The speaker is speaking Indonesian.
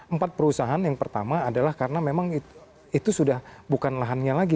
empat perusahaan yang pertama adalah karena memang itu sudah bukan lahannya lagi